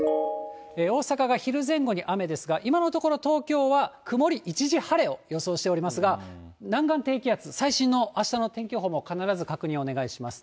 大阪が昼前後に雨ですが、今のところ、東京は曇り一時晴れを予想しておりますが、南岸低気圧、最新のあしたの天気予報も必ず確認をお願いします。